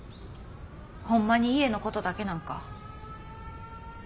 ホンマに家のことだけなんか？